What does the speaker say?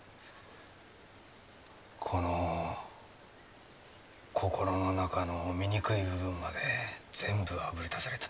この心の中の醜い部分まで全部あぶり出された。